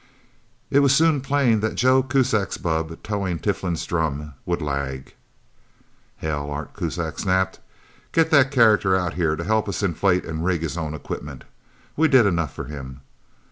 It was soon plain that Joe Kuzak's bubb, towing Tiflin's drum, would lag. "Hell!" Art Kuzak snapped. "Get that character out here to help us inflate and rig his own equipment! We did enough for him!